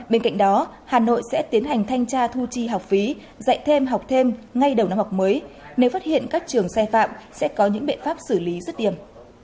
bên cạnh đó hà nội sẽ tiến hành thanh tra thu chi học phí dạy thêm học thêm ngay đầu năm học mới nếu phát hiện các trường sai phạm sẽ có những biện pháp xử lý rứt điểm